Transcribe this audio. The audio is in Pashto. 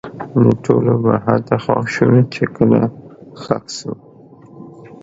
د ټولو به هلته خوښ شو؛ چې کله ښخ سو